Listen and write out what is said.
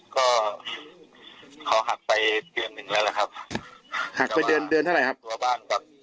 ก็เขาหักไปเดือนหนึ่งแล้วครับหักไปเดือนเดือนเท่าไรครับ